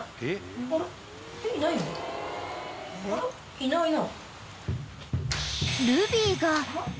いないの？